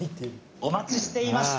お待ちしていました。